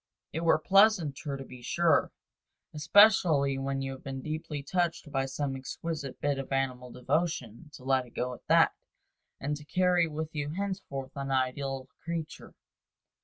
It were pleasanter, to be sure, especially when you have been deeply touched by some exquisite bit of animal devotion, to let it go at that, and to carry with you henceforth an ideal creature.